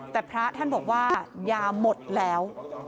แต่พระท่านบอกว่ายาหมดแล้ว